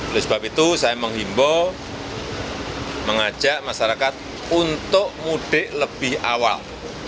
oleh sebab itu saya menghimbau mengajak masyarakat untuk mudik lebih awal